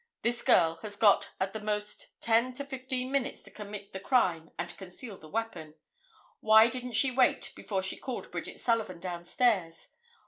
This girl has got at the most ten to fifteen minutes to commit the crime and conceal the weapon. Why didn't she wait before she called Bridget Sullivan downstairs?